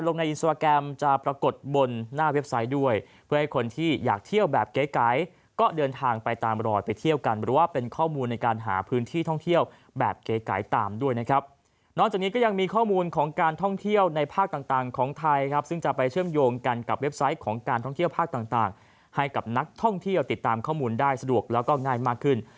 นอกจากนี้ก็ยังมีข้อมูลของการท่องเที่ยวในภาคต่างของไทยซึ่งจะไปเชื่อมโยงกันกับเว็บไซต์ของการท่องเที่ยวภาคต่างให้กับนักท่องเที่ยวติดตามข้อมูลได้สะดวกแล้วก็ง่ายมากขึ้น